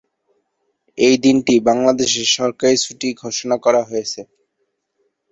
এই দিনটি বাংলাদেশে সরকারী ছুটি ঘোষণা করা হয়েছে।